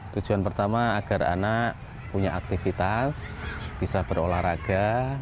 tujuan pertama agar anak punya aktivitas bisa berolahraga